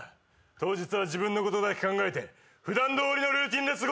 当日は自分のことだけ考えて普段どおりのルーティンで過ごせよ。